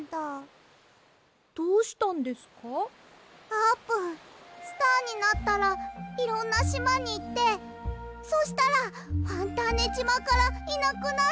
あーぷんスターになったらいろんなしまにいってそしたらファンターネじまからいなくなっちゃうんじゃ。